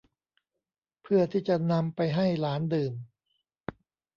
เพื่อที่จะนำไปให้หลานดื่ม